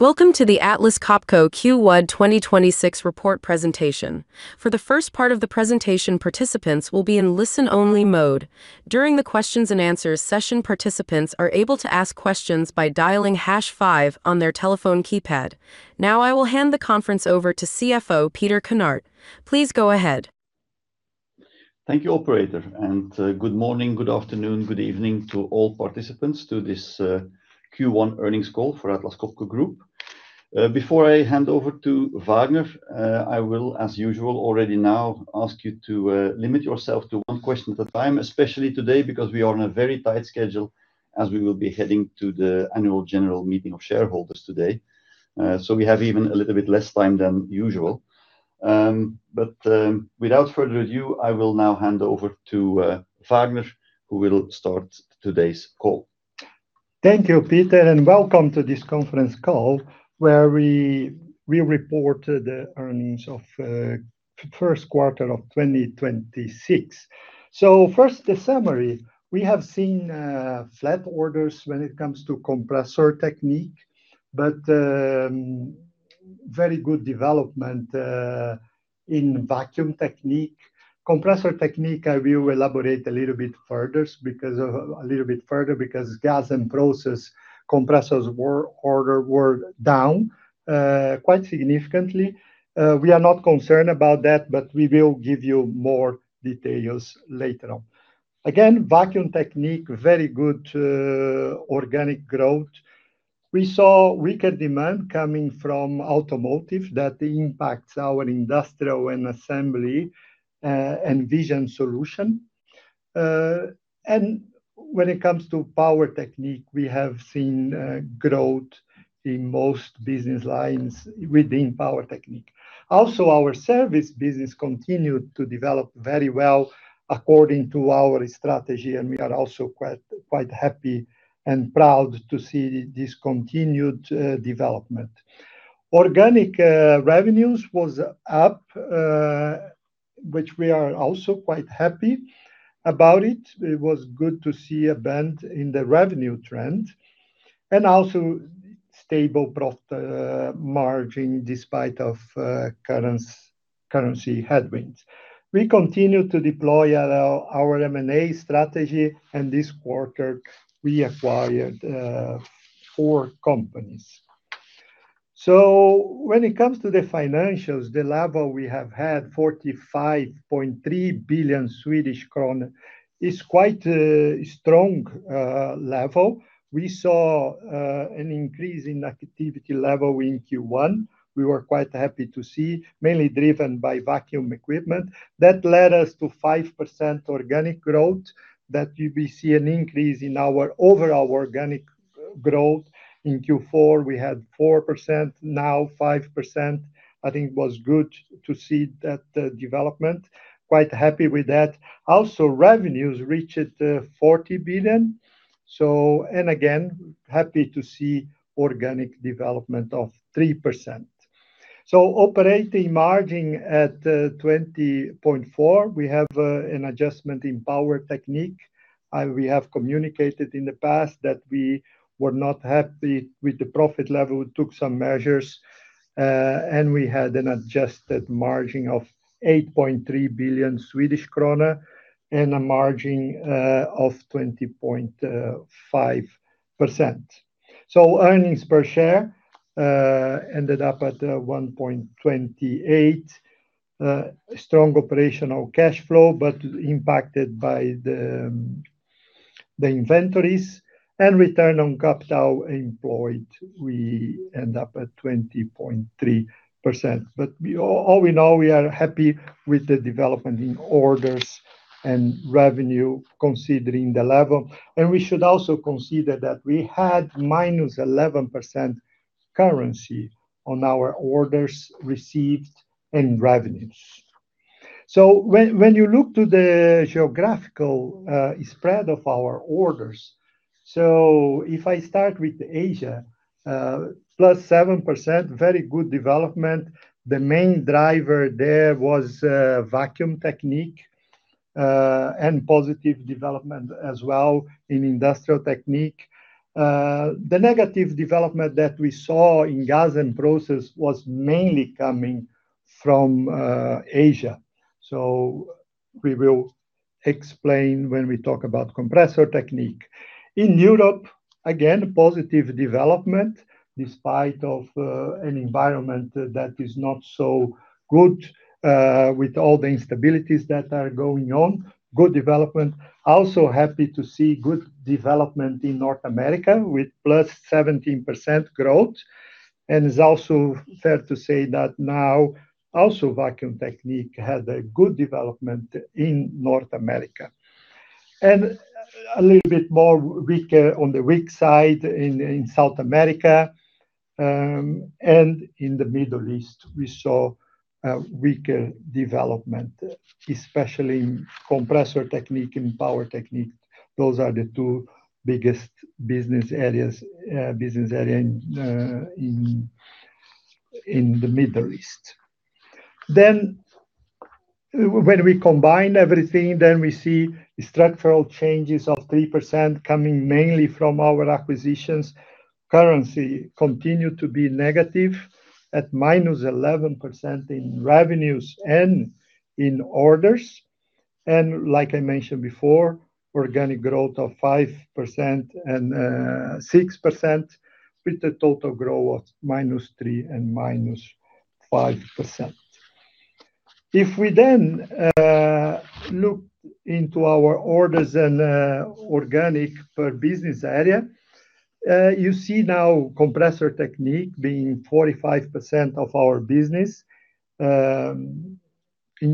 Welcome to the Atlas Copco Q1 2026 Report Presentation. For the first part of the presentation, participants will be in listen-only mode. During the questions and answers session, participants are able to ask questions by dialing hash five on their telephone keypad. Now, I will hand the conference over to CFO Peter Kinnart. Please go ahead. Thank you, operator. Good morning, good afternoon, good evening to all participants to this Q1 earnings call for Atlas Copco Group. Before I hand over to Vagner, I will, as usual, already now ask you to limit yourself to one question at a time, especially today, because we are on a very tight schedule as we will be heading to the Annual General Meeting of shareholders today. We have even a little bit less time than usual. Without further ado, I will now hand over to Vagner, who will start today's call. Thank you, Peter, and welcome to this conference call where we report the earnings of first quarter of 2026. First, the summary. We have seen flat orders when it comes to Compressor Technique, but very good development in Vacuum Technique. Compressor Technique, I will elaborate a little bit further because Gas and Process compressors were down quite significantly. We are not concerned about that, but we will give you more details later on. Again, Vacuum Technique, very good organic growth. We saw weaker demand coming from automotive that impacts our Industrial Assembly Solutions and Vision Solutions. And when it comes to Power Technique, we have seen growth in most business lines within Power Technique. Our service business continued to develop very well according to our strategy, and we are also quite happy and proud to see this continued development. Organic revenues was up, which we are also quite happy about it. It was good to see a bend in the revenue trend and also stable margin despite of currency headwinds. We continue to deploy our M&A strategy, and this quarter we acquired four companies. When it comes to the financials, the level we have had, 45.3 billion Swedish kronor, is quite a strong level. We saw an increase in activity level in Q1. We were quite happy to see, mainly driven by Vacuum Technique. That led us to 5% organic growth that you will see an increase in our overall organic growth. In Q4, we had 4%, now 5%. I think it was good to see that development. Quite happy with that. Also, revenues reached 40 billion. Again, happy to see organic development of 3%. Operating margin at 20.4%. We have an adjustment in Power Technique. We have communicated in the past that we were not happy with the profit level. We took some measures, and we had an adjusted margin of 8.3 billion Swedish krona and a margin of 20.5%. Earnings per share ended up at 1.28. Strong operational cash flow, but impacted by the inventories. Return on capital employed, we end up at 20.3%. All in all, we are happy with the development in orders and revenue, considering the level. We should also consider that we had -11% currency on our orders received and revenues. When you look to the geographical spread of our orders. If I start with Asia, +7%, very good development. The main driver there was Vacuum Technique and positive development as well in Industrial Technique. The negative development that we saw in Gas and Process was mainly coming from Asia. We will explain when we talk about Compressor Technique. In Europe, again, positive development despite of an environment that is not so good with all the instabilities that are going on. Good development. Also happy to see good development in North America with +17% growth. It's also fair to say that now also Vacuum Technique had a good development in North America. A little bit more weaker on the weak side in South America. In the Middle East, we saw a weaker development, especially in Compressor Technique and Power Technique. Those are the two biggest business areas in the Middle East. When we combine everything, then we see structural changes of 3% coming mainly from our acquisitions. Currency continued to be negative at -11% in revenues and in orders. Like I mentioned before, organic growth of 5% and 6% with the total growth of -3% and -5%. We then look into our orders and organic per business area. You see now Compressor Technique being 45% of our business in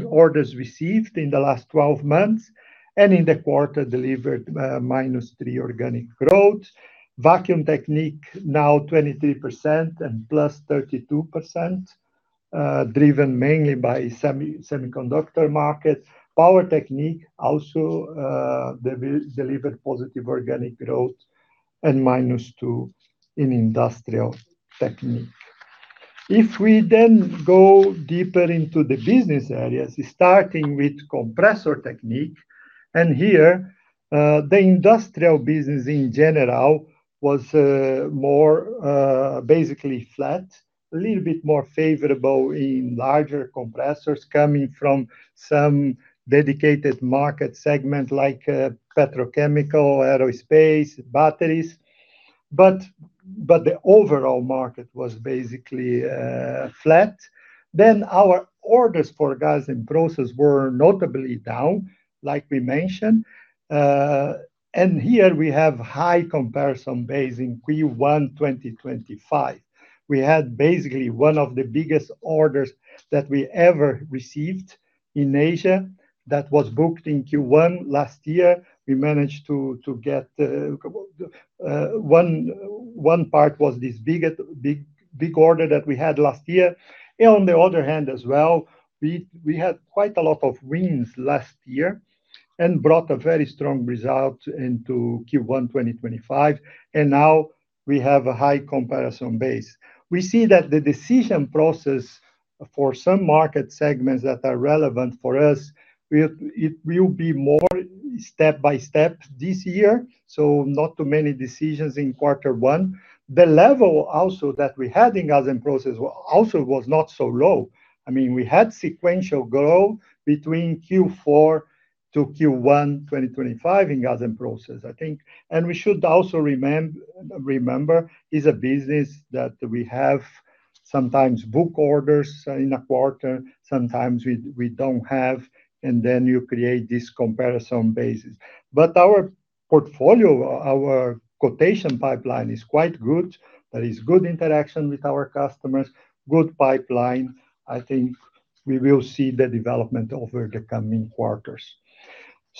orders received in the last 12 months and in the quarter delivered -3% organic growth. Vacuum Technique now 23% and +32%, driven mainly by semi, semiconductor market. Power Technique also delivered positive organic growth and -2% in Industrial Technique. We then go deeper into the business areas, starting with Compressor Technique, and here the industrial business in general was more basically flat, a little bit more favorable in larger compressors coming from some dedicated market segment like petrochemical, aerospace, batteries. The overall market was basically flat. Our orders for Gas and Process were notably down, like we mentioned. Here we have high comparison base in Q1, 2025. We had basically one of the biggest orders that we ever received in Asia that was booked in Q1 last year. We managed to get one part was this big order that we had last year. On the other hand as well, we had quite a lot of wins last year and brought a very strong result into Q1, 2025. Now we have a high comparison base. We see that the decision process for some market segments that are relevant for us, it will be more step-by-step this year. Not too many decisions in Q1. The level also that we had in Gas and Process also was not so low. I mean, we had sequential growth between Q4 to Q1, 2025 in Gas and Process, I think. We should also remember is a business that we have sometimes book orders in a quarter, sometimes we don't have, and then you create this comparison basis. Our portfolio, our quotation pipeline is quite good. There is good interaction with our customers, good pipeline. I think we will see the development over the coming quarters.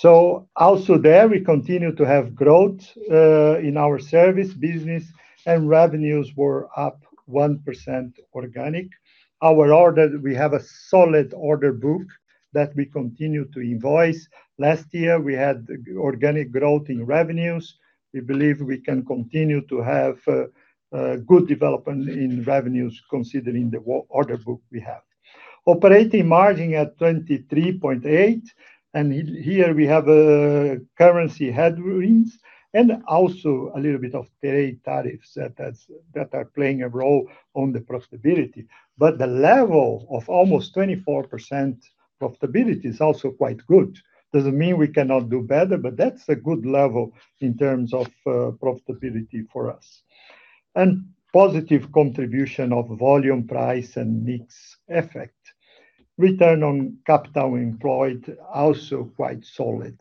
Also there, we continue to have growth in our service business, and revenues were up 1% organic. We have a solid order book that we continue to invoice. Last year, we had organic growth in revenues. We believe we can continue to have good development in revenues considering the order book we have. Operating margin at 23.8%, here we have currency headwinds and also a little bit of trade tariffs that are playing a role on the profitability. The level of almost 24% profitability is also quite good. Doesn't mean we cannot do better, but that's a good level in terms of profitability for us. Positive contribution of volume, price and mix effect. Return on capital employed, also quite solid.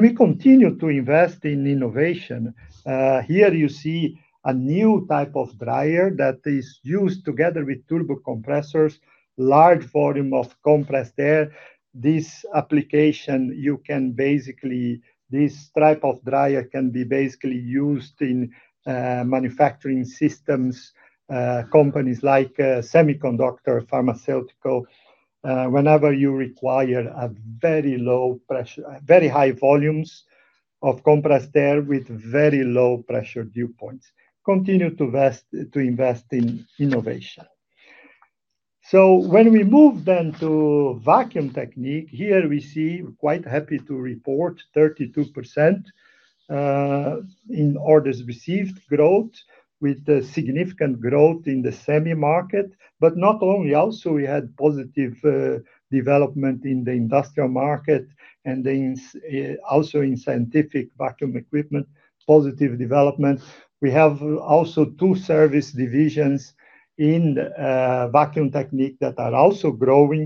We continue to invest in innovation. Here you see a new type of dryer that is used together with turbocompressors, large volume of compressed air. This application, this type of dryer can be basically used in manufacturing systems, companies like semiconductor, pharmaceutical. Whenever you require very high volumes of compressed air with very low pressure dew points. Continue to invest in innovation. When we move to Vacuum Technique, here we see, quite happy to report, 32% in orders received growth with a significant growth in the semi market. Not only, also we had positive development in the industrial market and also in scientific vacuum equipment, positive development. We have also two service divisions in the Vacuum Technique that are also growing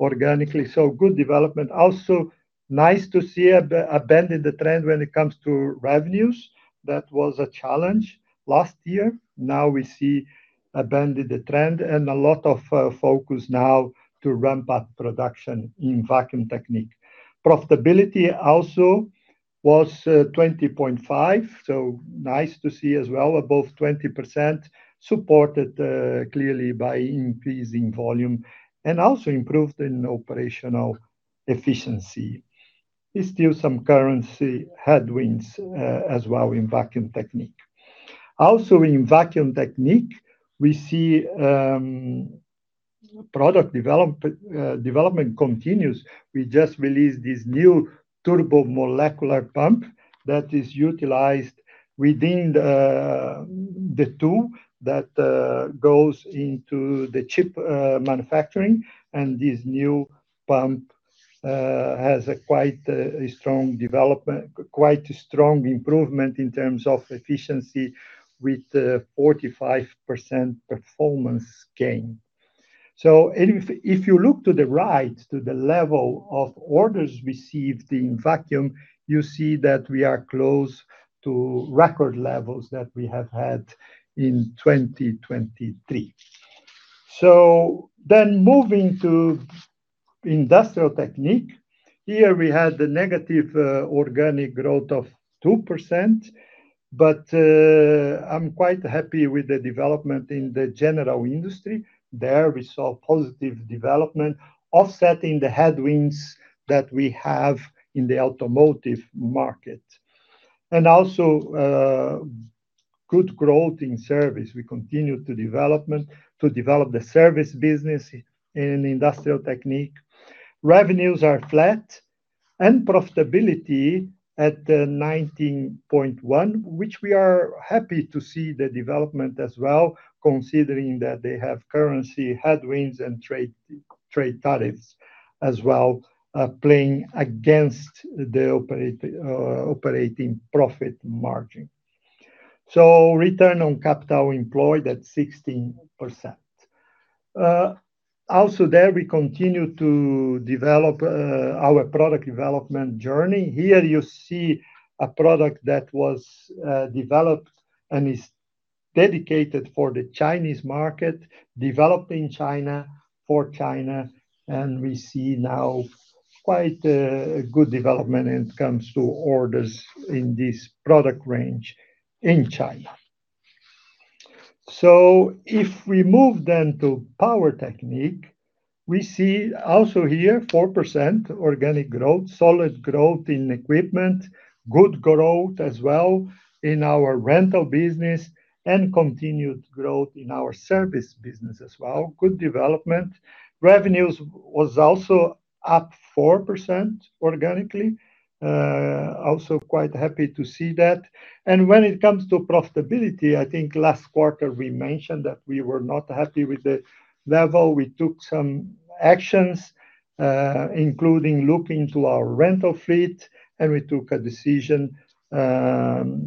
organically. Good development. Also nice to see a bend in the trend when it comes to revenues. That was a challenge last year. Now we see a bend in the trend and a lot of focus now to ramp up production in Vacuum Technique. Profitability also was 20.5%. Nice to see as well above 20%, supported clearly by increasing volume and also improved in operational efficiency. There's still some currency headwinds as well in Vacuum Technique. Also in Vacuum Technique, we see development continues. We just released this new turbomolecular pump that is utilized within the tool that goes into the chip manufacturing. This new pump has a quite strong improvement in terms of efficiency with a 45% performance gain. If you look to the right, to the level of orders received in Vacuum, you see that we are close to record levels that we have had in 2023. Moving to Industrial Technique. Here we had a negative organic growth of 2%, but I'm quite happy with the development in the general industry. There we saw positive development offsetting the headwinds that we have in the automotive market. Also good growth in service. We continue to develop the service business in Industrial Technique. Revenues are flat and profitability at 19.1%, which we are happy to see the development as well, considering that they have currency headwinds and trade tariffs as well, playing against the operating profit margin. Return on capital employed at 16%. Also there, we continue to develop our product development journey. Here you see a product that was developed and is dedicated for the Chinese market, developed in China, for China. We see now quite a good development when it comes to orders in this product range in China. If we move then to Power Technique, we see also here 4% organic growth, solid growth in equipment, good growth as well in our rental business, and continued growth in our service business as well. Good development. Revenues was also up 4% organically. Also quite happy to see that. When it comes to profitability, I think last quarter we mentioned that we were not happy with the level. We took some actions, including looking to our rental fleet, and we took a decision to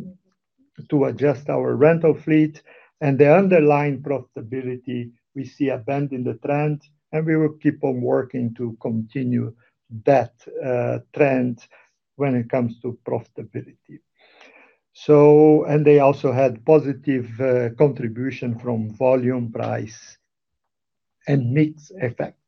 adjust our rental fleet. The underlying profitability, we see a bend in the trend, and we will keep on working to continue that trend when it comes to profitability. They also had positive contribution from volume, price, and mix effect.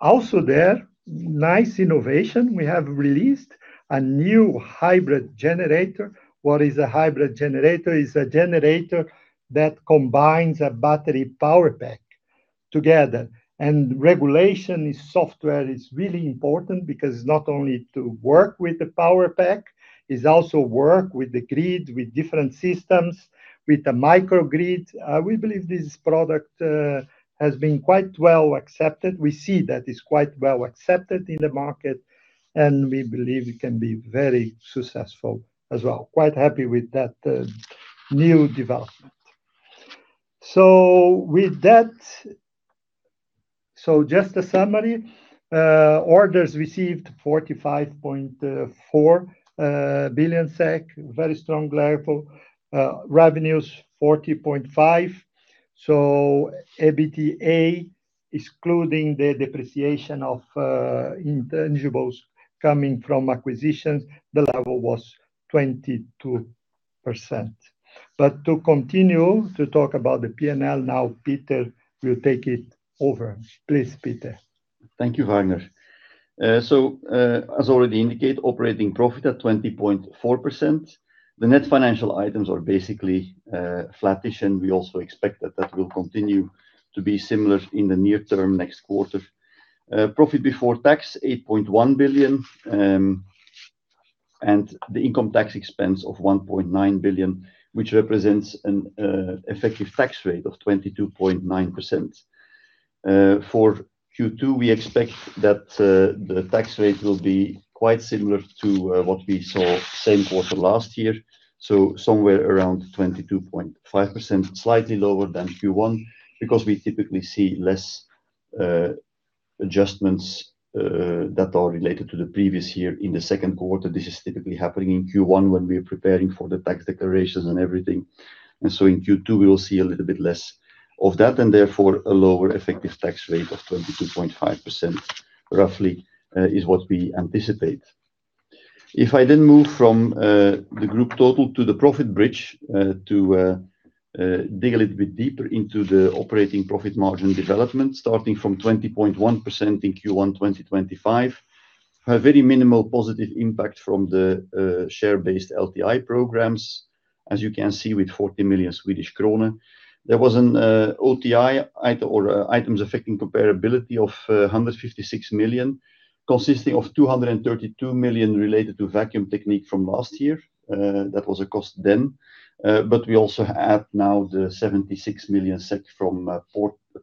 Also there, nice innovation. We have released a new hybrid generator. What is a hybrid generator? It's a generator that combines a battery power pack together. Regulation software is really important because not only to work with the power pack, it also work with the grid, with different systems, with the microgrid. We believe this product has been quite well accepted. We see that it is quite well accepted in the market, and we believe it can be very successful as well. Quite happy with that new development. Just a summary. Orders received 45.4 billion SEK. Very strong level. Revenues 40.5 billion. EBITDA, excluding the depreciation of intangibles coming from acquisitions, the level was 22%. To continue to talk about the P&L now, Peter will take it over. Please, Peter. Thank you, Vagner. As already indicated, operating profit at 20.4%. The net financial items are basically flattish, and we also expect that that will continue to be similar in the near term next quarter. Profit before tax, 8.1 billion, and the income tax expense of 1.9 billion, which represents an effective tax rate of 22.9%. For Q2, we expect that the tax rate will be quite similar to what we saw same quarter last year. Somewhere around 22.5%, slightly lower than Q1, because we typically see less adjustments that are related to the previous year in the second quarter. This is typically happening in Q1 when we are preparing for the tax declarations and everything. In Q2, we will see a little bit less of that, and therefore a lower effective tax rate of 22.5% roughly, is what we anticipate. If I then move from the group total to the profit bridge, to dig a little bit deeper into the operating profit margin development, starting from 20.1% in Q1 2025. A very minimal positive impact from the share-based LTI programs. As you can see, with 40 million Swedish krona. There was an IAC item or items affecting comparability of 156 million, consisting of 232 million related to Vacuum Technique from last year. That was a cost then. We also add now the 76 million SEK from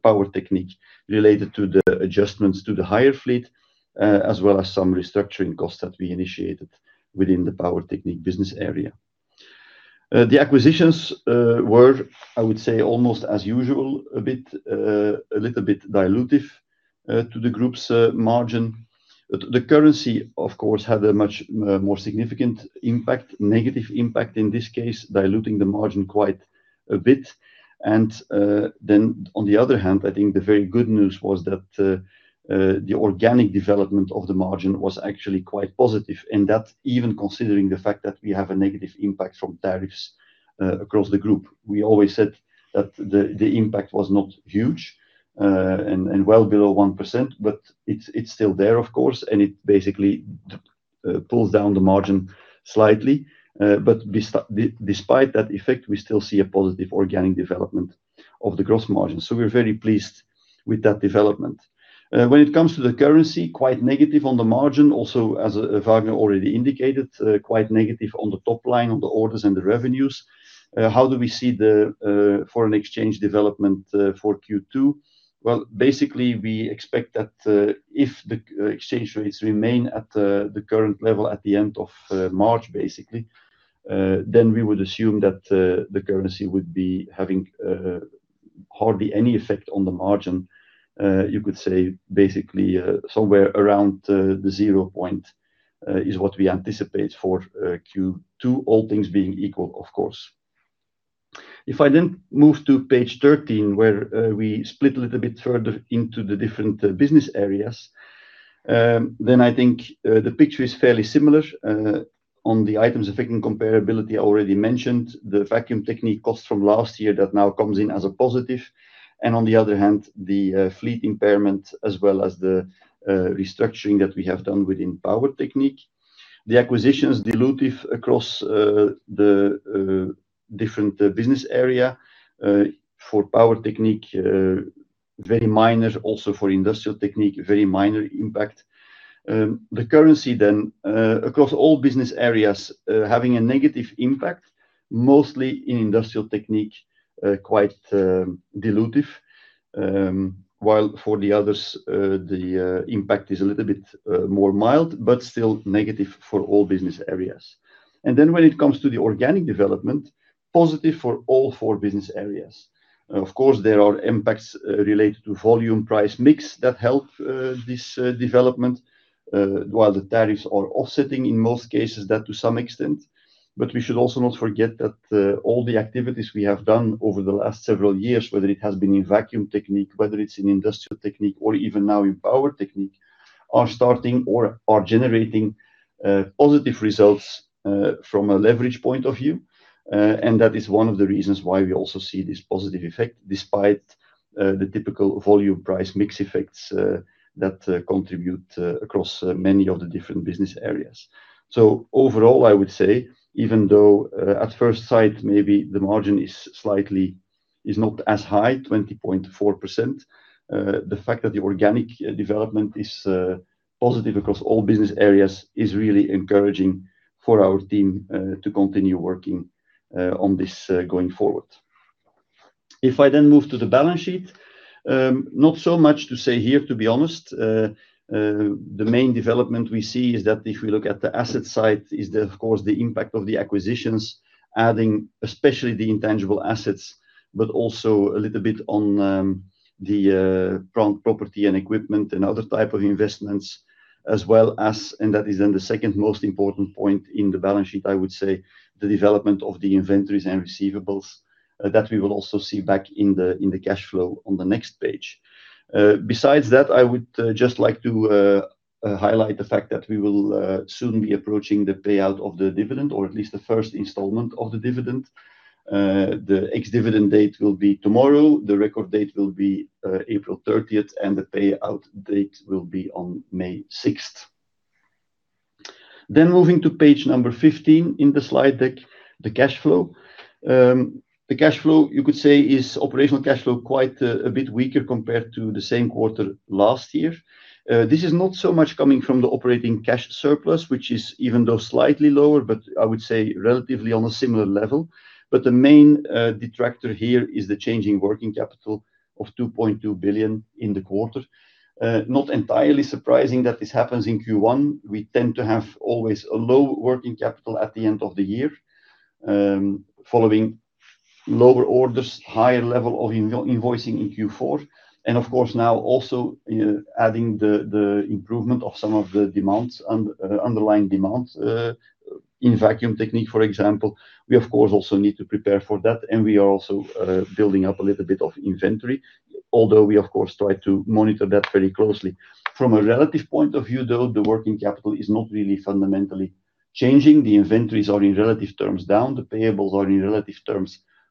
Power Technique related to the adjustments to the hire fleet, as well as some restructuring costs that we initiated within the Power Technique business area. The acquisitions were, I would say almost as usual, a bit a little bit dilutive to the group's margin. The currency, of course, had a much more significant impact, negative impact, in this case, diluting the margin quite a bit. Then on the other hand, I think the very good news was that the organic development of the margin was actually quite positive. That even considering the fact that we have a negative impact from tariffs across the group. We always said that the impact was not huge, and well below 1%, but it's still there, of course, and it basically pulls down the margin slightly. Despite that effect, we still see a positive organic development of the gross margin. We're very pleased with that development. When it comes to the currency, quite negative on the margin also as Vagner already indicated, quite negative on the top line on the orders and the revenues. How do we see the foreign exchange development for Q2? Basically, we expect that if the exchange rates remain at the current level at the end of March, then we would assume that the currency would be having hardly any effect on the margin. You could say basically, somewhere around the zero point, is what we anticipate for Q2, all things being equal, of course. If I move to page 13, where we split a little bit further into the different business areas, I think the picture is fairly similar. On the items affecting comparability, I already mentioned the Vacuum Technique cost from last year that now comes in as a positive. On the other hand, the fleet impairment as well as the restructuring that we have done within Power Technique. The acquisition is dilutive across the different business area. For Power Technique, very minor also for Industrial Technique, very minor impact. The currency across all business areas, having a negative impact, mostly in Industrial Technique, quite dilutive. While for the others, the impact is a little bit more mild, but still negative for all business areas. When it comes to the organic development, positive for all four business areas. Of course, there are impacts related to volume price mix that help this development, while the tariffs are offsetting in most cases that to some extent. We should also not forget that all the activities we have done over the last several years, whether it has been in Vacuum Technique, whether it's in Industrial Technique or even now in Power Technique, are starting or are generating positive results from a leverage point of view. That is one of the reasons why we also see this positive effect despite the typical volume price mix effects that contribute across many of the different business areas. Overall, I would say even though at first sight, maybe the margin is not as high, 20.4%, the fact that the organic development is positive across all business areas is really encouraging for our team to continue working on this going forward. If I then move to the balance sheet, not so much to say here, to be honest. The main development we see is that if we look at the asset side, is the, of course, the impact of the acquisitions, adding especially the intangible assets, but also a little bit on the property and equipment and other type of investments as well as, and that is then the second most important point in the balance sheet, I would say the development of the inventories and receivables, that we will also see back in the cash flow on the next page. Besides that, I would just like to highlight the fact that we will soon be approaching the payout of the dividend, or at least the first installment of the dividend. The ex-dividend date will be tomorrow, the record date will be April 30th, and the payout date will be on May 6th. Moving to page number 15 in the slide deck, the cash flow. The cash flow, you could say, is operational cash flow, quite a bit weaker compared to the same quarter last year. This is not so much coming from the operating cash surplus, which is even though slightly lower, but I would say relatively on a similar level. The main detractor here is the change in working capital of 2.2 billion in the quarter. Not entirely surprising that this happens in Q1. We tend to have always a low working capital at the end of the year, following lower orders, higher level of invoicing in Q4. Of course, now also adding the improvement of some of the demands, underlying demands, in Vacuum Technique, for example. We of course, also need to prepare for that, and we are also building up a little bit of inventory, although we of course, try to monitor that very closely. From a relative point of view, though, the working capital is not really fundamentally changing. The inventories are in relative terms down, the payables are in relative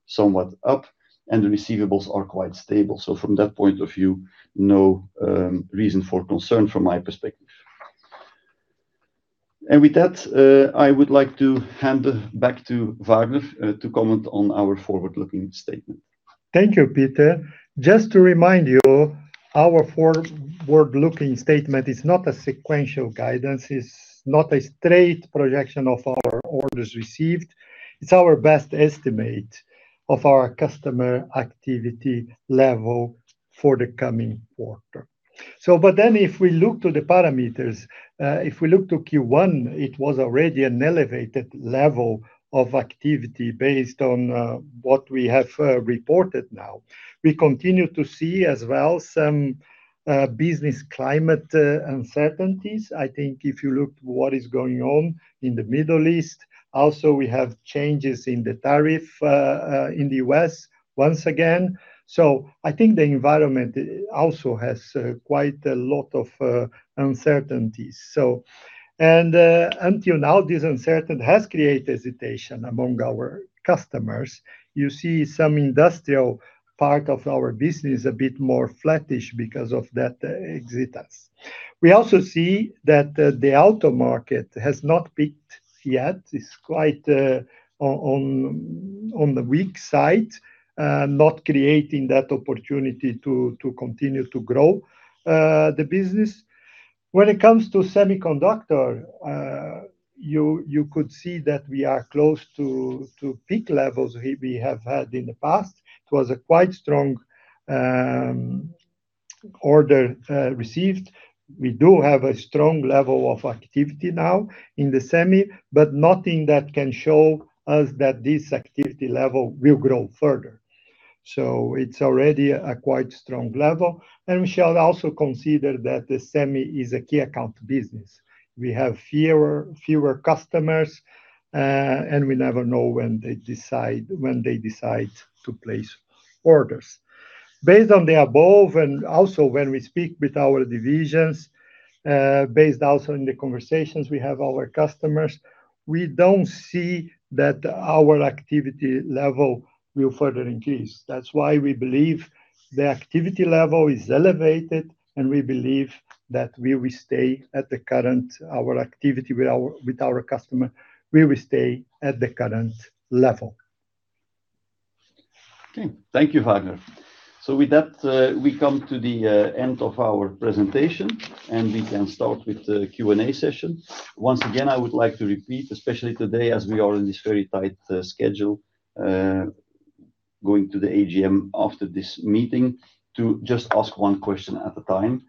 terms somewhat up, and the receivables are quite stable. From that point of view, no reason for concern from my perspective. With that, I would like to hand back to Vagner to comment on our forward-looking statement. Thank you, Peter. Just to remind you, our forward-looking statement is not a sequential guidance. It's not a straight projection of our orders received. It's our best estimate of our customer activity level for the coming quarter. If we look to the parameters, if we look to Q1, it was already an elevated level of activity based on what we have reported now. We continue to see as well some business climate uncertainties. I think if you look to what is going on in the Middle East, also we have changes in the tariff in the U.S. once again. I think the environment also has quite a lot of uncertainties. Until now, this uncertainty has created hesitation among our customers. You see some industrial part of our business a bit more flattish because of that hesitance. We also see that the auto market has not peaked yet. It's quite on the weak side. Not creating that opportunity to continue to grow the business. When it comes to semiconductor, you could see that we are close to peak levels we have had in the past. It was a quite strong order received. We do have a strong level of activity now in the semi, but nothing that can show us that this activity level will grow further. It's already a quite strong level. We shall also consider that the semi is a key account business. We have fewer customers, and we never know when they decide to place orders. Based on the above and also when we speak with our divisions, based also in the conversations we have with our customers, we don't see that our activity level will further increase. That's why we believe the activity level is elevated, and we believe that our activity with our customer will stay at the current level. Okay. Thank you, Vagner. With that, we come to the end of our presentation, and we can start with the Q&A session. Once again, I would like to repeat, especially today as we are on this very tight schedule, going to the AGM after this meeting, to just ask one question at a time.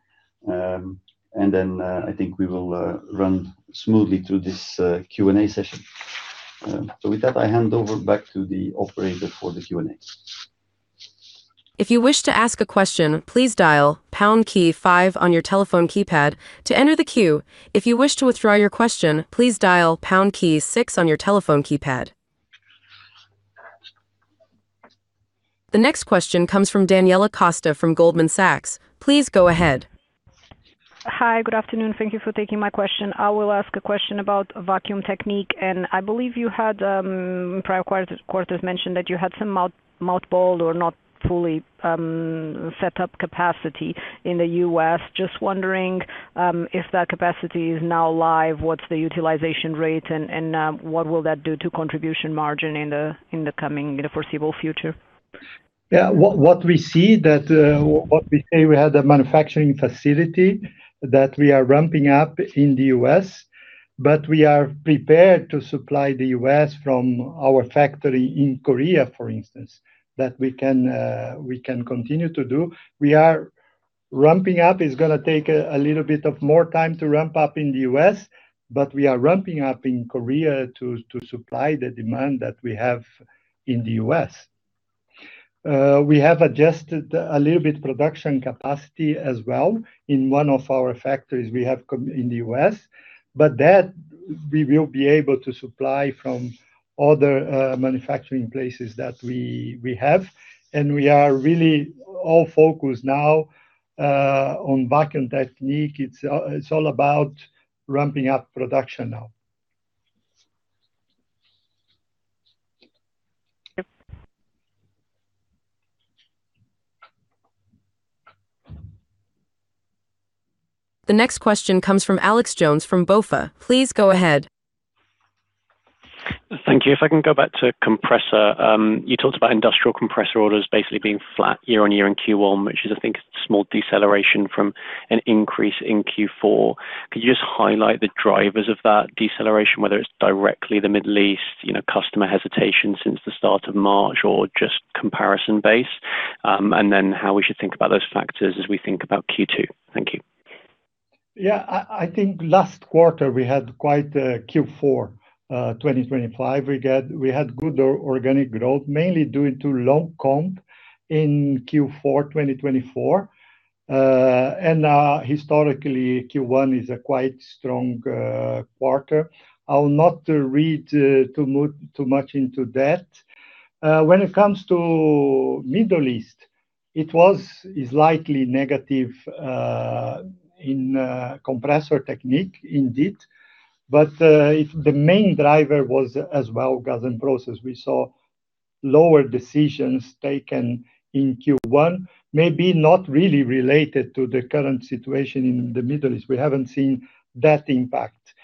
I think we will run smoothly through this Q&A session. With that, I hand over back to the operator for the Q&A. If you wish to ask a question, please dial pound key five on your telephone keypad. To enter the queue, if you wish to withdraw your question please dial pound key six on your telephone keypad. The next question comes from Daniela Costa from Goldman Sachs. Please go ahead. Hi. Good afternoon. Thank you for taking my question. I will ask a question about Vacuum Technique. I believe you had prior quarters mentioned that you had some mothballed or not fully set up capacity in the U.S. Just wondering if that capacity is now live, what's the utilization rate, and what will that do to contribution margin in the foreseeable future? What we see that what we say we have the manufacturing facility that we are ramping up in the U.S., but we are prepared to supply the U.S. from our factory in Korea, for instance, that we can continue to do. We are ramping up. It's gonna take a little bit of more time to ramp up in the U.S., but we are ramping up in Korea to supply the demand that we have in the U.S. We have adjusted a little bit production capacity as well in one of our factories we have in the U.S. That we will be able to supply from other manufacturing places that we have. We are really all focused now on Vacuum Technique. It's all about ramping up production now. Yep. The next question comes from Alex Jones from BofA. Please go ahead. Thank you. I can go back to compressor. You talked about industrial compressor orders basically being flat year-on-year in Q1, which is I think a small deceleration from an increase in Q4. Could you just highlight the drivers of that deceleration, whether it's directly the Middle East, you know, customer hesitation since the start of March, or just comparison base? How we should think about those factors as we think about Q2. Thank you. Yeah. I think last quarter we had quite a Q4, 2025. We had good organic growth, mainly due to low comp in Q4, 2024. Historically, Q1 is a quite strong quarter. I'll not read too much into that. When it comes to Middle East, it was slightly negative in Compressor Technique indeed. If the main driver was as well Gas and Process, we saw lower decisions taken in Q1 may be not really related to the current situation in the Middle East. We haven't seen that impact.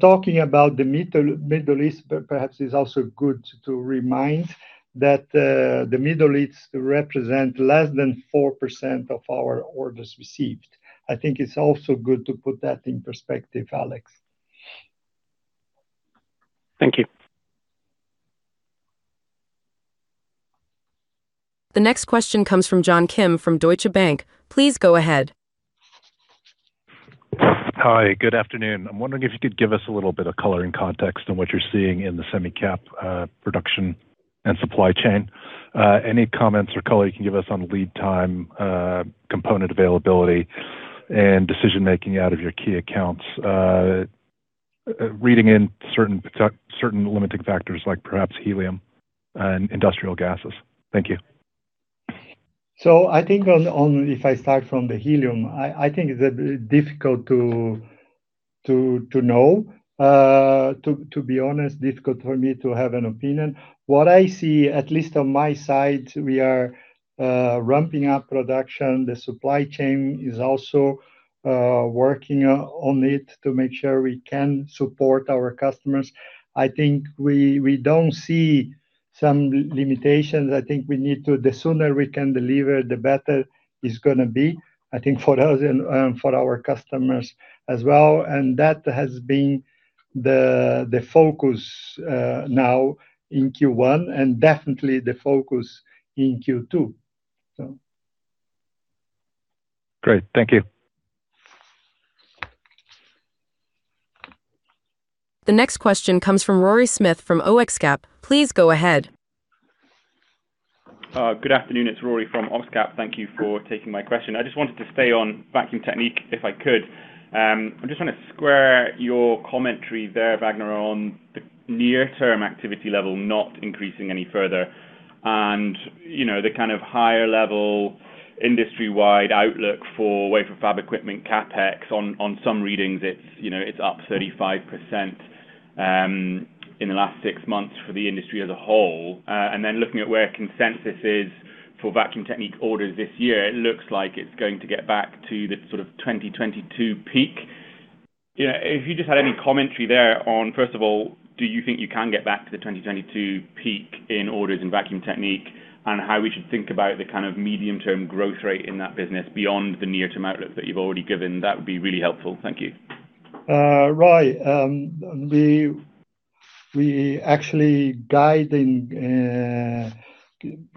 Talking about the Middle East perhaps is also good to remind that the Middle East represent less than 4% of our orders received. I think it's also good to put that in perspective, Alex. Thank you. The next question comes from John Kim from Deutsche Bank. Please go ahead. Hi, good afternoon. I'm wondering if you could give us a little bit of color and context on what you're seeing in the semi-cap production and supply chain. Any comments or color you can give us on lead time, component availability and decision-making out of your key accounts? Reading in certain certain limiting factors like perhaps helium and industrial gases. Thank you. I think if I start from the helium, I think that difficult to know. To be honest, difficult for me to have an opinion. What I see, at least on my side, we are ramping up production. The supply chain is also working on it to make sure we can support our customers. I think we don't see some limitations. I think we need to, the sooner we can deliver, the better it's gonna be, I think for us and for our customers as well. That has been the focus now in Q1, and definitely the focus in Q2. Great. Thank you. The next question comes from Rory Smith from Oxcap. Please go ahead. Good afternoon, it's Rory from Oxcap. Thank you for taking my question. I just wanted to stay on Vacuum Technique, if I could. I just want to square your commentary there, Vagner, on the near-term activity level not increasing any further. You know, the kind of higher level industry-wide outlook for wafer fab equipment CapEx on some readings, it's, you know, it's up 35% in the last six months for the industry as a whole. Looking at where consensus is for Vacuum Technique orders this year, it looks like it's going to get back to the sort of 2022 peak. You know, if you just had any commentary there on, first of all, do you think you can get back to the 2022 peak in orders in Vacuum Technique? How we should think about the kind of medium-term growth rate in that business beyond the near-term outlook that you've already given? That would be really helpful. Thank you. Rory, we actually guide in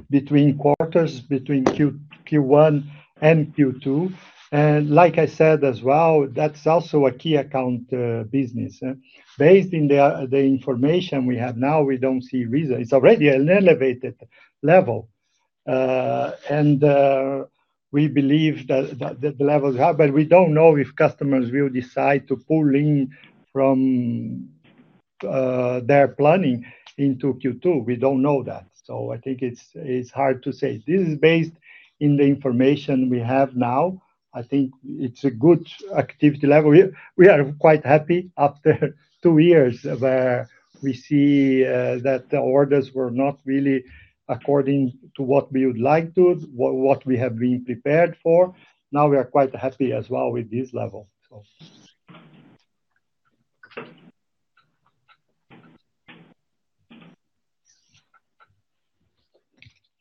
between quarters, between Q1 and Q2. Like I said as well, that's also a key account business. Based on the information we have now, we don't see reason. It's already an elevated level. We believe that the levels are. We don't know if customers will decide to pull in from their planning into Q2. We don't know that. I think it's hard to say. This is based in the information we have now. I think it's a good activity level. We are quite happy after two years where we see that the orders were not really according to what we would like to, what we have been prepared for. Now we are quite happy as well with this level.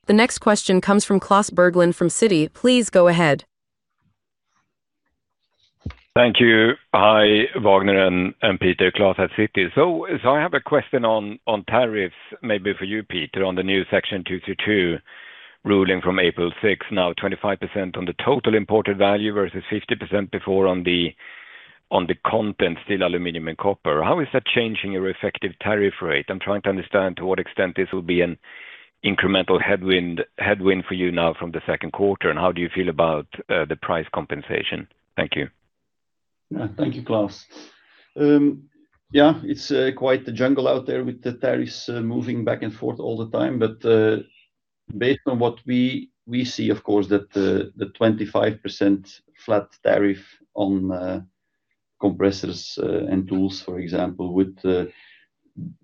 The next question comes from Klas Bergelind from Citi. Please go ahead. Thank you. Hi, Vagner and Peter. Klas at Citi. I have a question on tariffs, maybe for you, Peter, on the new Section 232 ruling from April 6th, now 25% on the total imported value versus 50% before on the content, steel, aluminum, and copper. How is that changing your effective tariff rate? I'm trying to understand to what extent this will be an incremental headwind for you now from the second quarter, and how do you feel about the price compensation? Thank you. Thank you, Klas. Yeah, it's quite the jungle out there with the tariffs moving back and forth all the time. Based on what we see, of course, that the 25% flat tariff on compressors and tools, for example, would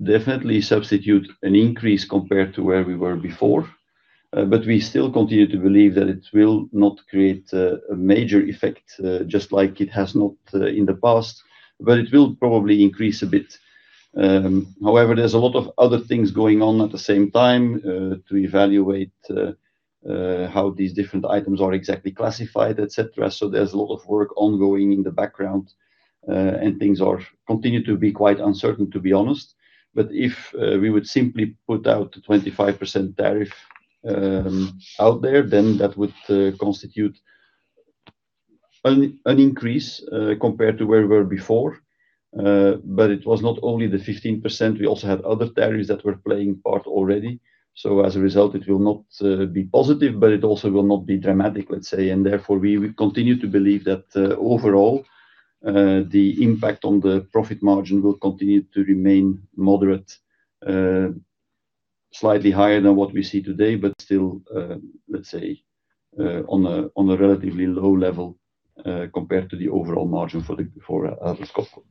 definitely substitute an increase compared to where we were before. We still continue to believe that it will not create a major effect, just like it has not in the past, but it will probably increase a bit. However, there's a lot of other things going on at the same time to evaluate how these different items are exactly classified, et cetera. There's a lot of work ongoing in the background, and things are continue to be quite uncertain, to be honest. If we would simply put out a 25% tariff out there, then that would constitute an increase compared to where we were before. It was not only the 15%, we also had other tariffs that were playing part already. As a result, it will not be positive, but it also will not be dramatic, let's say. We will continue to believe that overall, the impact on the profit margin will continue to remain moderate. Slightly higher than what we see today, but still, let's say, on a relatively low level compared to the overall margin for Atlas Copco.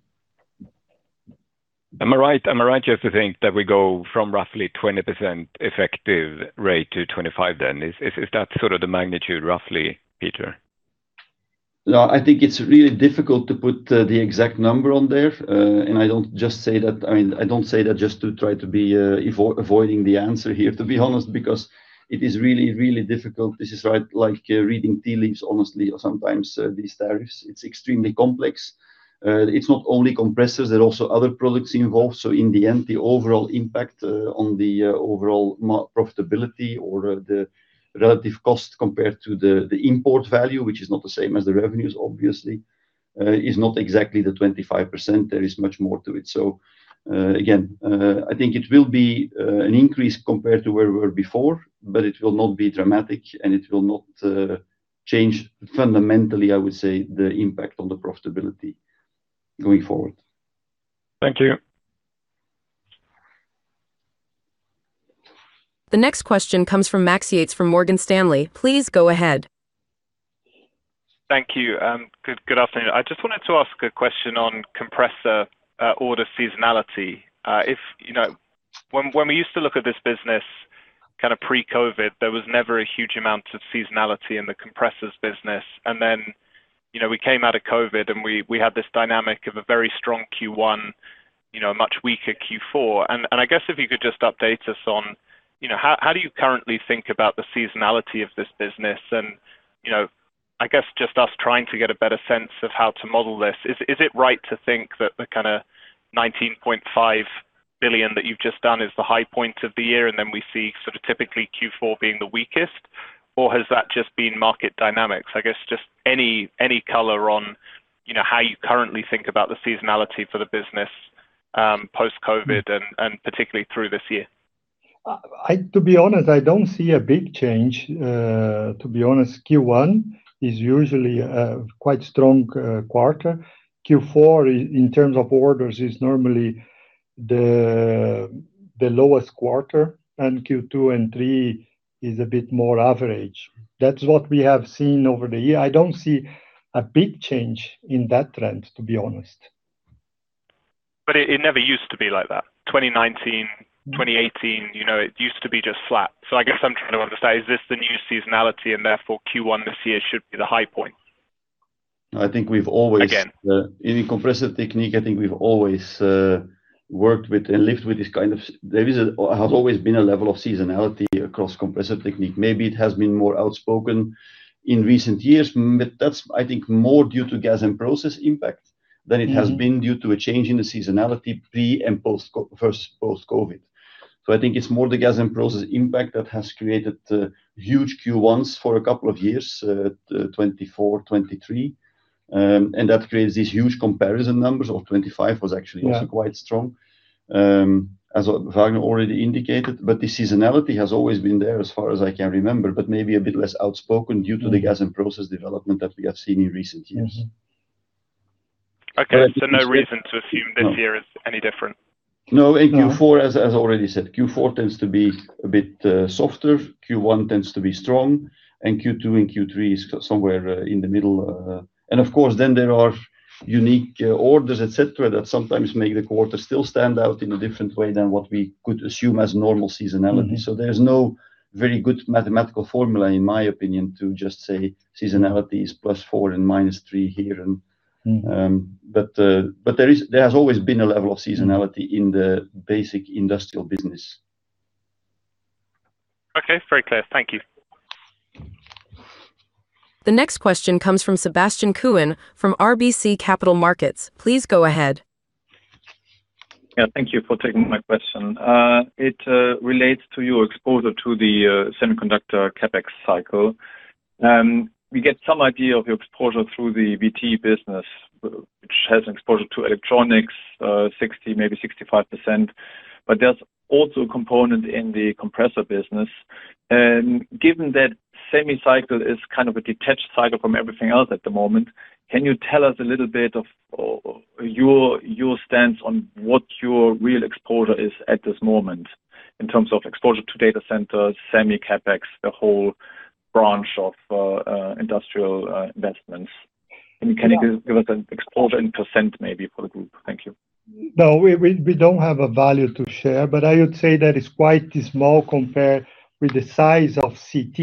Am I right just to think that we go from roughly 20% effective rate to 25% then? Is that sort of the magnitude roughly, Peter? No, I think it's really difficult to put the exact number on there. I mean, I don't say that just to try to be avoiding the answer here, to be honest, because it is really, really difficult. This is right, like, reading tea leaves, honestly, or sometimes these tariffs. It's extremely complex. It's not only compressors, there are also other products involved. In the end, the overall impact on the overall profitability or the relative cost compared to the import value, which is not the same as the revenues, obviously, is not exactly the 25%. There is much more to it. Again, I think it will be an increase compared to where we were before, but it will not be dramatic, and it will not change fundamentally, I would say, the impact on the profitability going forward. Thank you. The next question comes from Max Yates from Morgan Stanley. Please go ahead. Thank you. Good afternoon. I just wanted to ask a question on Compressor Technique order seasonality. If, you know, when we used to look at this business kind of pre-COVID, there was never a huge amount of seasonality in the Compressor Technique business. Then, you know, we came out of COVID, and we had this dynamic of a very strong Q1, you know, a much weaker Q4. I guess if you could just update us on, you know, how do you currently think about the seasonality of this business? You know, I guess just us trying to get a better sense of how to model this. Is it right to think that the kind of 19.5 billion that you've just done is the high point of the year, and then we see sort of typically Q4 being the weakest? Has that just been market dynamics? I guess just any color on, you know, how you currently think about the seasonality for the business, post-COVID and particularly through this year. To be honest, I don't see a big change. To be honest, Q1 is usually a quite strong quarter. Q4 in terms of orders is normally the lowest quarter. Q2 and Q3 is a bit more average. That's what we have seen over the years. I don't see a big change in that trend, to be honest. It never used to be like that. 2019, 2018, you know, it used to be just flat. I guess I'm trying to understand, is this the new seasonality and therefore Q1 this year should be the high point? I think we've always. Okay. in Compressor Technique, I think we've always worked with and lived with this kind of. There has always been a level of seasonality across Compressor Technique. Maybe it has been more outspoken in recent years, but that's, I think, more due to Gas and Process impact than it has been due to a change in the seasonality pre and post versus post-COVID. I think it's more the Gas and Process impact that has created the huge Q1s for a couple of years, 2024, 2023. That creates these huge comparison numbers of 2025 was actually also quite strong. As Vagner already indicated. The seasonality has always been there as far as I can remember, but maybe a bit less outspoken due to the Gas and Process development that we have seen in recent years. Okay. No reason to assume this year is any different. No. In Q4, as I already said, Q4 tends to be a bit softer, Q1 tends to be strong, and Q2 and Q3 is somewhere in the middle. Of course, then there are unique orders, et cetera, that sometimes make the quarter still stand out in a different way than what we could assume as normal seasonality. There's no very good mathematical formula, in my opinion, to just say seasonality is +4% and -3% here. There has always been a level of seasonality in the basic industrial business. Okay. Very clear. Thank you. The next question comes from Sebastian Kuenne from RBC Capital Markets. Please go ahead. Yeah. Thank you for taking my question. It relates to your exposure to the semiconductor CapEx cycle. We get some idea of your exposure through the VT business, which has exposure to electronics, 60%, maybe 65%. There's also a component in the compressor business. Given that semi cycle is kind of a detached cycle from everything else at the moment, can you tell us a little bit of your stance on what your real exposure is at this moment in terms of exposure to data centers, semi CapEx, the whole branch of industrial investments? Can you give us an exposure in percent maybe for the group? Thank you. No. We don't have a value to share, but I would say that it's quite small compared with the size of CT.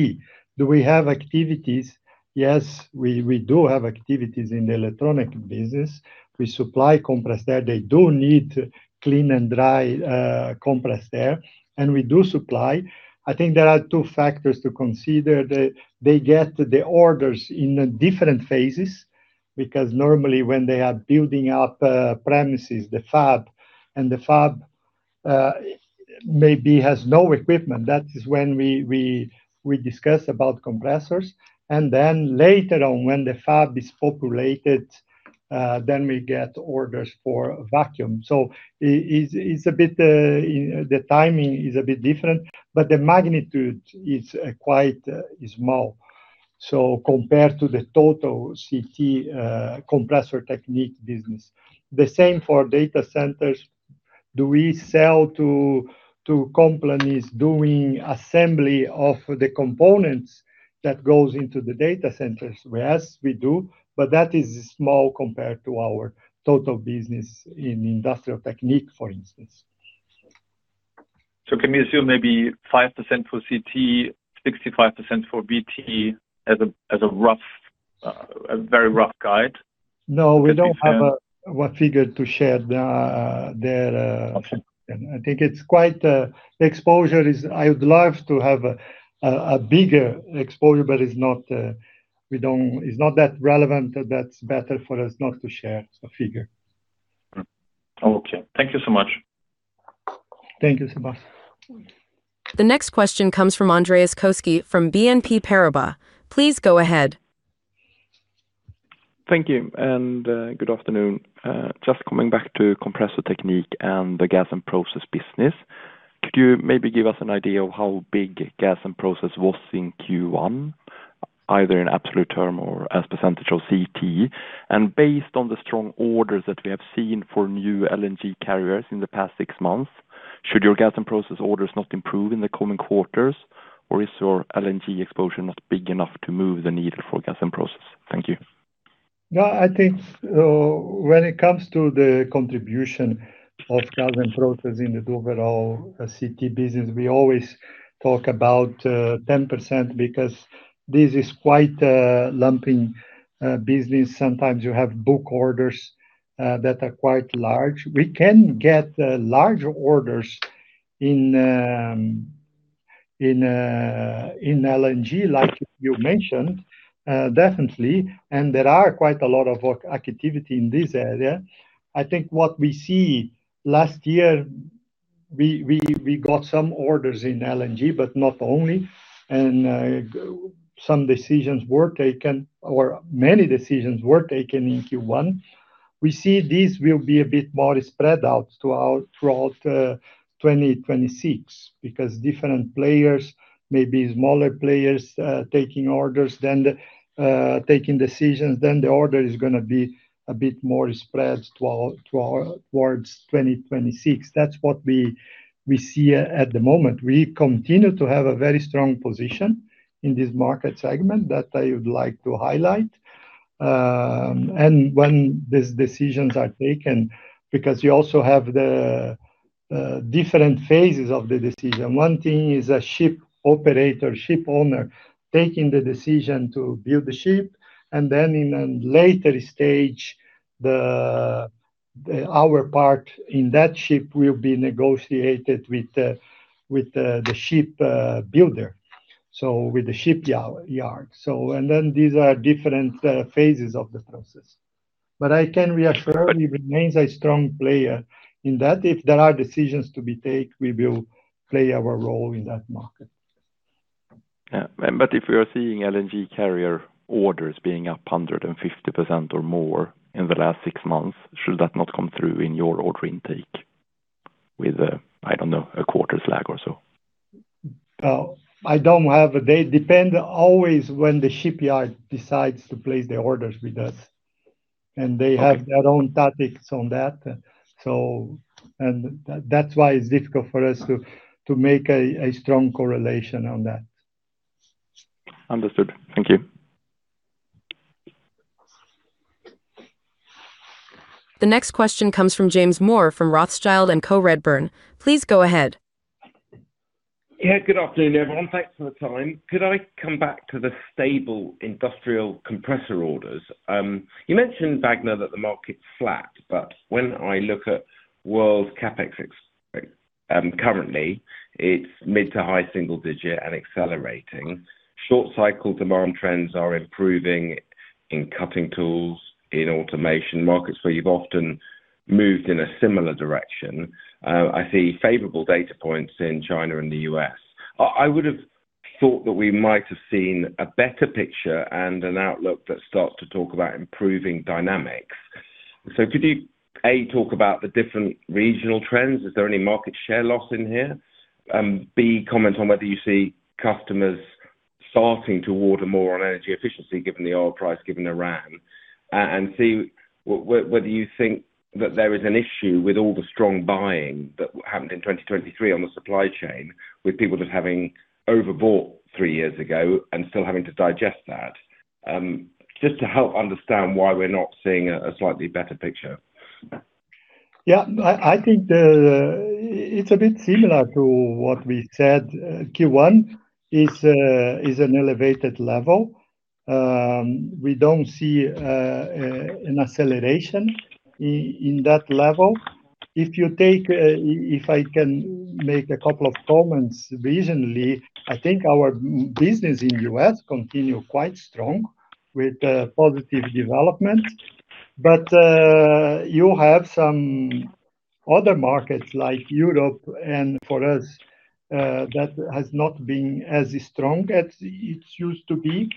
Do we have activities? Yes, we do have activities in the electronic business. We supply compressed air. They do need clean and dry compressed air, and we do supply. I think there are two factors to consider. They get the orders in different phases, because normally when they are building up premises, the fab, and the fab maybe has no equipment. That is when we discuss about compressors. Then later on when the fab is populated, then we get orders for vacuum. It is a bit, the timing is a bit different, but the magnitude is quite small. Compared to the total CT, Compressor Technique business. The same for data centers. Do we sell to companies doing assembly of the components that goes into the data centers? Yes, we do. That is small compared to our total business in Industrial Technique, for instance. Can we assume maybe 5% for CT, 65% for VT as a rough, a very rough guide? No, we don't have a figure to share there. Okay. I think it's quite, the exposure is I would love to have a bigger exposure, but it's not that relevant. That's better for us not to share a figure. Okay. Thank you so much. Thank you, Sebastian. The next question comes from Andreas Koski from BNP Paribas. Please go ahead. Thank you, and good afternoon. Just coming back to Compressor Technique and the Gas and Process business. Could you maybe give us an idea of how big Gas and Process was in Q1, either in absolute term or as percentage of CT? Based on the strong orders that we have seen for new LNG carriers in the past six months, should your Gas and Process orders not improve in the coming quarters, or is your LNG exposure not big enough to move the needle for Gas and Process? Thank you. No, I think when it comes to the contribution of Gas and Process in the overall CT business, we always talk about 10% because this is quite a lumping business. Sometimes you have book orders that are quite large. We can get large orders in in LNG, like you mentioned, definitely. There are quite a lot of activity in this area. I think what we see last year, we got some orders in LNG, but not only, and some decisions were taken, or many decisions were taken in Q1. We see this will be a bit more spread out throughout 2026 because different players, maybe smaller players, taking orders than the taking decisions, then the order is gonna be a bit more spread to our towards 2026. That's what we see at the moment. We continue to have a very strong position in this market segment that I would like to highlight. When these decisions are taken, because you also have the different phases of the decision. One thing is a ship operator, ship owner, taking the decision to build the ship, and then in a later stage, our part in that ship will be negotiated with the ship builder. With the shipyard. These are different phases of the process. I can reassure you, it remains a strong player in that. If there are decisions to be take, we will play our role in that market. Yeah. If we are seeing LNG carrier orders being up 150% or more in the last six months, should that not come through in your order intake with a, I don't know, a quarter lag or so? I don't have a date. Depend always when the shipyard decides to place the orders with us. Okay. They have their own tactics on that. That's why it's difficult for us to make a strong correlation on that. Understood. Thank you. The next question comes from James Moore, from Rothschild & Co Redburn. Please go ahead. Yeah. Good afternoon, everyone. Thanks for the time. Could I come back to the stable industrial compressor orders? You mentioned, Vagner, that the market's flat, but when I look at world CapEx ex, currently, it's mid to high single digit and accelerating. Short cycle demand trends are improving in cutting tools, in automation markets where you've often moved in a similar direction. I see favorable data points in China and the U.S. I would've thought that we might have seen a better picture and an outlook that starts to talk about improving dynamics. Could you, A, talk about the different regional trends? Is there any market share loss in here? B, comment on whether you see customers starting to order more on energy efficiency, given the oil price, given Iran. Whether you think that there is an issue with all the strong buying that happened in 2023 on the supply chain with people just having overbought three years ago and still having to digest that? Just to help understand why we're not seeing a slightly better picture. Yeah. I think it's a bit similar to what we said. Q1 is an elevated level. We don't see an acceleration in that level. If you take, if I can make a couple of comments regionally, I think our business in U.S. continue quite strong with positive development. You have some other markets like Europe, and for us, that has not been as strong as it used to be.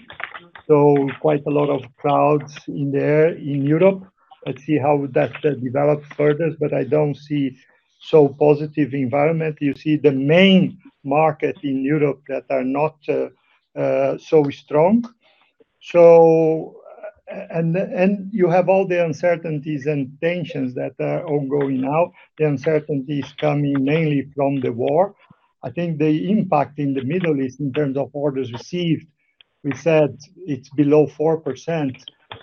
Quite a lot of clouds in there in Europe. Let's see how that develops further, but I don't see so positive environment. You see the main market in Europe that are not so strong. You have all the uncertainties and tensions that are ongoing now, the uncertainties coming mainly from the war. I think the impact in the Middle East in terms of orders received, we said it's below 4%,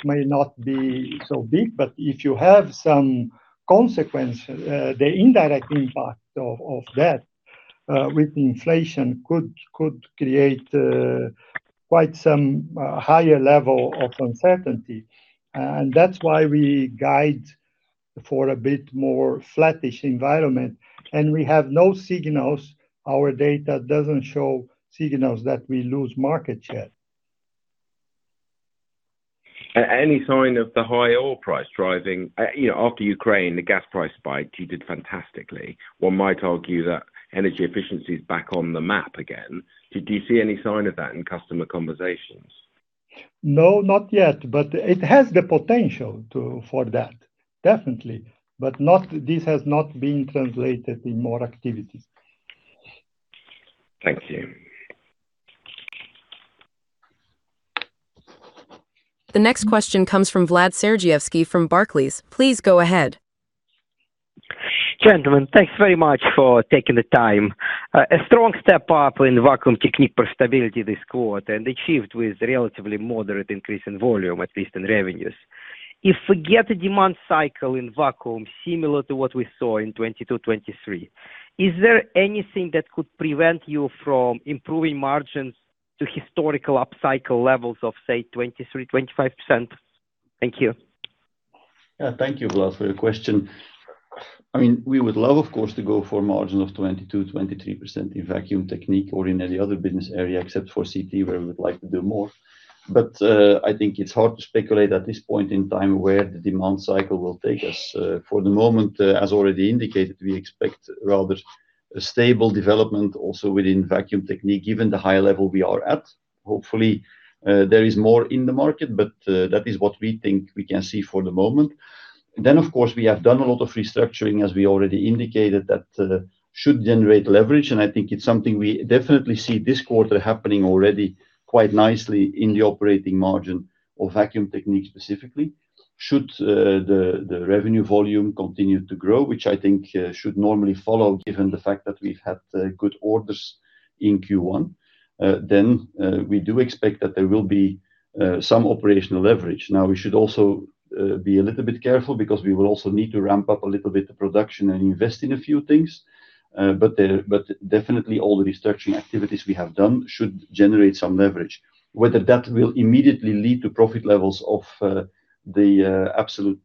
may not be so big, but if you have some consequence, the indirect impact of that, with inflation could create quite some higher level of uncertainty. That's why we guide for a bit more flattish environment. We have no signals. Our data doesn't show signals that we lose market share. Any sign of the high oil price, you know, after Ukraine, the gas price spiked, you did fantastically. One might argue that energy efficiency is back on the map again. Do you see any sign of that in customer conversations? No, not yet, it has the potential to, for that. Definitely. This has not been translated in more activities. Thank you. The next question comes from Vlad Sergievskiy from Barclays. Please go ahead. Gentlemen, thanks very much for taking the time. A strong step up in Vacuum Technique profitability this quarter achieved with relatively moderate increase in volume, at least in revenues. If we get a demand cycle in Vacuum similar to what we saw in 2022, 2023, is there anything that could prevent you from improving margins to historical upcycle levels of, say, 23%-25%? Thank you. Thank you, Vlad, for your question. I mean, we would love, of course, to go for a margin of 22%-23% in Vacuum Technique or in any other business area, except for CT, where we would like to do more. I think it's hard to speculate at this point in time where the demand cycle will take us. For the moment, as already indicated, we expect rather a stable development also within Vacuum Technique, given the high level we are at. Hopefully, there is more in the market, but that is what we think we can see for the moment. Of course, we have done a lot of restructuring, as we already indicated, that should generate leverage. I think it's something we definitely see this quarter happening already quite nicely in the operating margin of Vacuum Technique specifically. Should the revenue volume continue to grow, which I think should normally follow, given the fact that we've had good orders in Q1, then we do expect that there will be some operational leverage. Now, we should also be a little bit careful because we will also need to ramp up a little bit the production and invest in a few things. Definitely all the restructuring activities we have done should generate some leverage. Whether that will immediately lead to profit levels of the absolute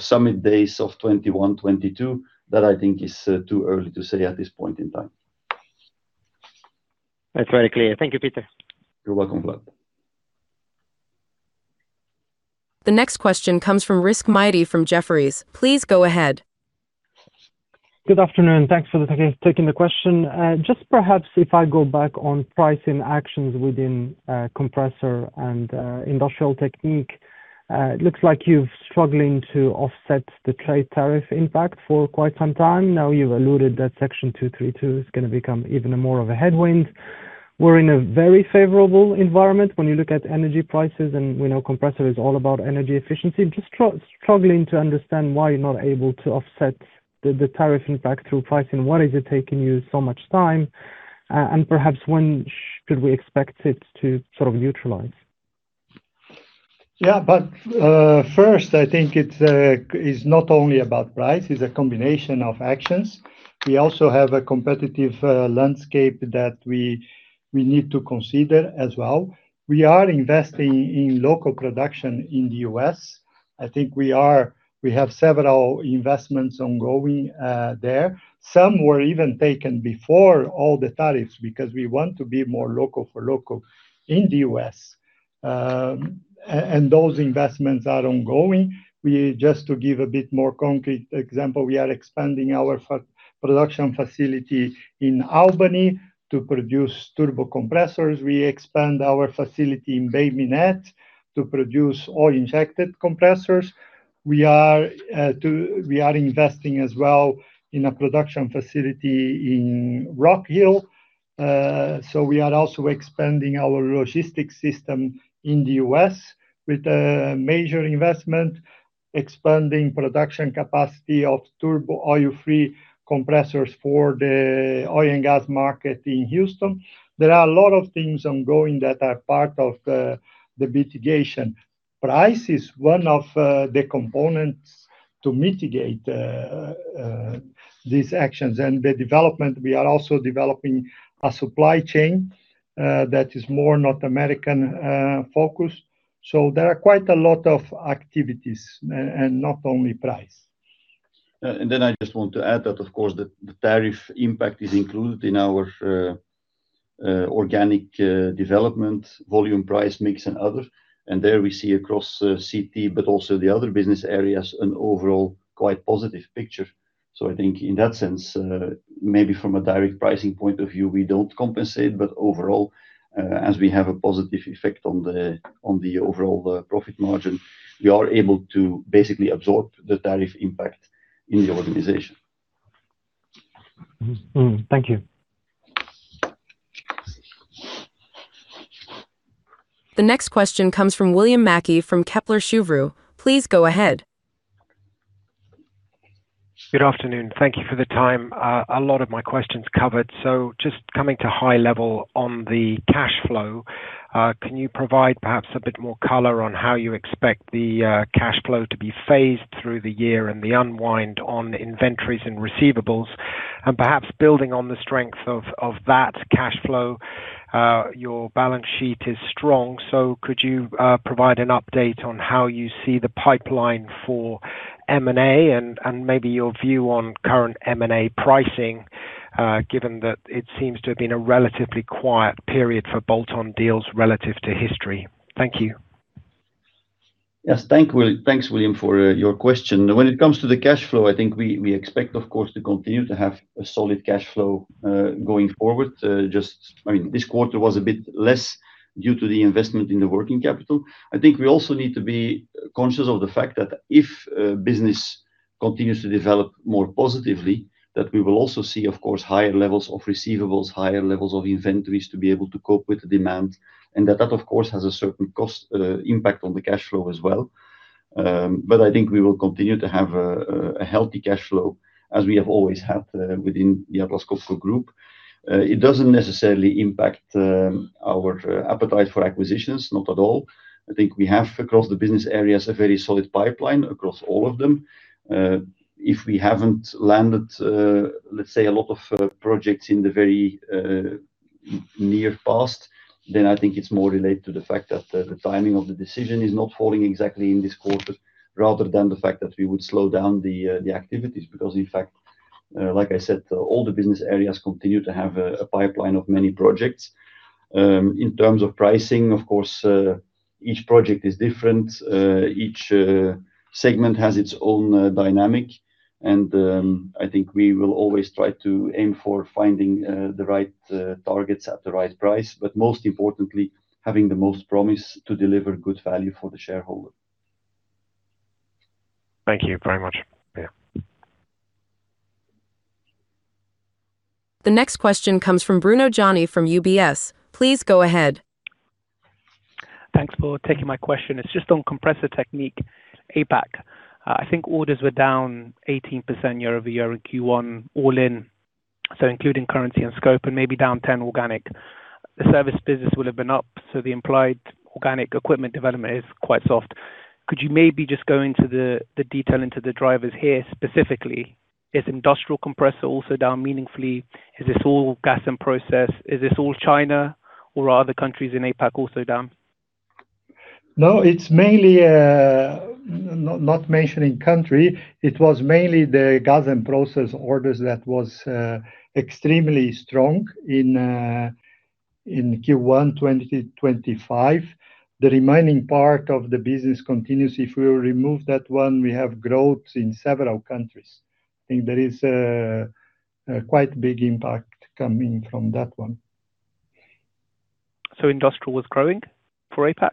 summit days of 2021, 2022, that I think is too early to say at this point in time. That's very clear. Thank you, Peter. You're welcome, Vlad. The next question comes from Rizk Maidi from Jefferies. Please go ahead. Good afternoon. Thanks for taking the question. Just perhaps if I go back on pricing actions within Compressor and Industrial Technique, it looks like you're struggling to offset the trade tariff impact for quite some time now. You've alluded that Section 232 is gonna become even more of a headwind. We're in a very favorable environment when you look at energy prices, and we know compressor is all about energy efficiency. I'm just struggling to understand why you're not able to offset the tariff impact through pricing. Why is it taking you so much time? Perhaps when should we expect it to sort of neutralize? First, I think it's not only about price, it's a combination of actions. We also have a competitive landscape that we need to consider as well. We are investing in local production in the U.S. I think we have several investments ongoing there. Those investments are ongoing. Just to give a bit more concrete example, we are expanding our production facility in Albany to produce turbocompressors. We expand our facility in Babimost to produce oil-injected compressors. We are investing as well in a production facility in Rock Hill. We are also expanding our logistics system in the U.S. with a major investment, expanding production capacity of turbo oil-free compressors for the oil and gas market in Houston. There are a lot of things ongoing that are part of the mitigation. Price is one of the components to mitigate these actions. The development, we are also developing a supply chain that is more North American focused. There are quite a lot of activities and not only price. I just want to add that, of course, the tariff impact is included in our organic development volume price mix and other. There we see across CT, but also the other business areas, an overall quite positive picture. I think in that sense, maybe from a direct pricing point of view, we don't compensate. Overall, as we have a positive effect on the overall profit margin, we are able to basically absorb the tariff impact in the organization. Thank you. The next question comes from William Mackie from Kepler Cheuvreux. Please go ahead. Good afternoon. Thank you for the time. A lot of my questions covered. Just coming to high level on the cash flow, can you provide perhaps a bit more color on how you expect the cash flow to be phased through the year and the unwind on inventories and receivables? Perhaps building on the strength of that cash flow, your balance sheet is strong. Could you provide an update on how you see the pipeline for M&A and maybe your view on current M&A pricing, given that it seems to have been a relatively quiet period for bolt-on deals relative to history? Thank you. Yes. Thanks, William, for your question. When it comes to the cash flow, I think we expect, of course, to continue to have a solid cash flow going forward. I mean, this quarter was a bit less due to the investment in the working capital. I think we also need to be conscious of the fact that if business continues to develop more positively, that we will also see, of course, higher levels of receivables, higher levels of inventories to be able to cope with the demand, and that, of course, has a certain cost impact on the cash flow as well. I think we will continue to have a healthy cash flow, as we have always had within the Atlas Copco Group. It doesn't necessarily impact our appetite for acquisitions, not at all. I think we have, across the business areas, a very solid pipeline across all of them. If we haven't landed, let's say a lot of projects in the very near past, then I think it's more related to the fact that the timing of the decision is not falling exactly in this quarter rather than the fact that we would slow down the activities. Because in fact, like I said, all the business areas continue to have a pipeline of many projects. In terms of pricing, of course, each project is different. Each segment has its own dynamic. I think we will always try to aim for finding the right targets at the right price. Most importantly, having the most promise to deliver good value for the shareholder. Thank you very much. The next question comes from Bruno Gjani from UBS. Please go ahead. Thanks for taking my question. It's just on Compressor Technique APAC. I think orders were down 18% year-over-year in Q1 all in, so including currency and scope, and maybe down 10% organic. The service business will have been up, so the implied organic equipment development is quite soft. Could you maybe just go into the detail into the drivers here specifically? Is industrial compressor also down meaningfully? Is this all Gas and Process? Is this all China or are other countries in APAC also down? No, it's mainly not mentioning country, it was mainly the Gas and Process orders that was extremely strong in Q1 2025. The remaining part of the business continues. If we remove that one, we have growth in several countries. I think there is a quite big impact coming from that one. Industrial was growing for APAC?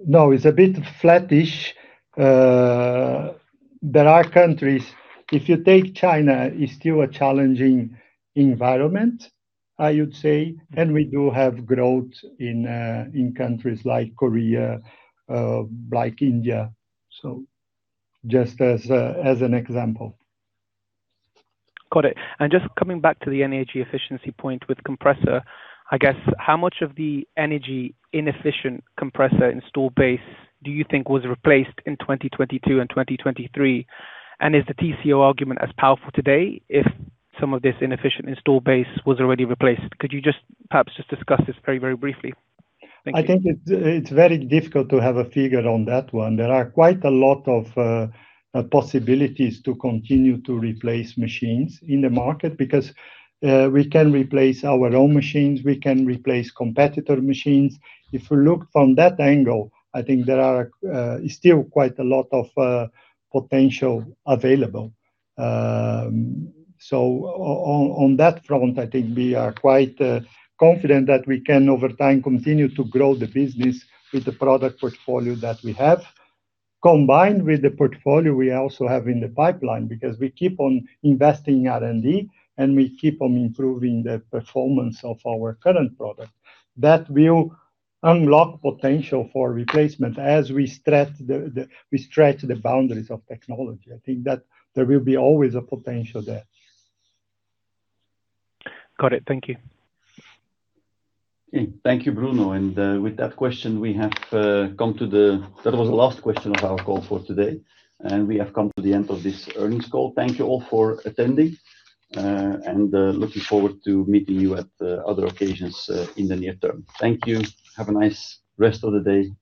No. It's a bit flattish. There are countries. If you take China, it's still a challenging environment, I would say. We do have growth in countries like Korea, like India. Just as an example. Got it. Just coming back to the energy efficiency point with compressor, I guess, how much of the energy inefficient compressor installed base do you think was replaced in 2022 and 2023? Is the TCO argument as powerful today if some of this inefficient installed base was already replaced? Could you just perhaps just discuss this very, very briefly? Thank you. I think it's very difficult to have a figure on that one. There are quite a lot of possibilities to continue to replace machines in the market because we can replace our own machines, we can replace competitor machines. If we look from that angle, I think there are still quite a lot of potential available. On that front, I think we are quite confident that we can, over time, continue to grow the business with the product portfolio that we have. Combined with the portfolio we also have in the pipeline, because we keep on investing R&D, and we keep on improving the performance of our current product. That will unlock potential for replacement as we stretch the boundaries of technology. I think that there will be always a potential there. Got it. Thank you. Okay. Thank you, Bruno. With that question, that was the last question of our call for today, and we have come to the end of this earnings call. Thank you all for attending. Looking forward to meeting you at other occasions in the near term. Thank you. Have a nice rest of the day. Goodbye.